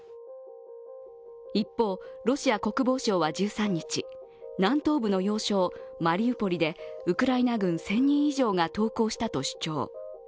一方、ロシア国防相は１３日、南東部の要衝・マリウポリでウクライナ軍１０００人以上が投降したと主張。